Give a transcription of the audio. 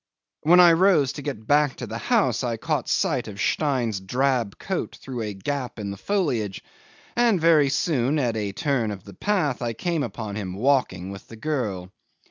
'When I rose to get back to the house I caught sight of Stein's drab coat through a gap in the foliage, and very soon at a turn of the path I came upon him walking with the girl.